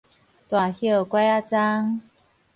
大葉枴仔棕